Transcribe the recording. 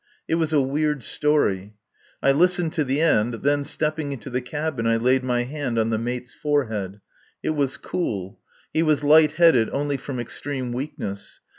It was a weird story. I listened to the end; then stepping into the cabin I laid my hand on the mate's forehead. It was cool. He was light headed only from extreme weakness.